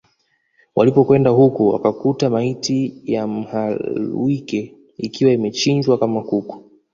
Walipokwenda huko wakakuta maiti ya Mhalwike ikiwa imechinjwa kama kuku